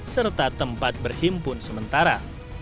serta tempat berhimpun sementara